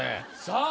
さあ